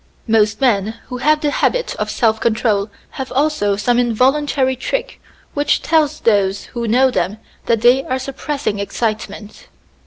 Most men who have the habit of self control have also some involuntary trick which tells those who know them that they are suppressing excitement.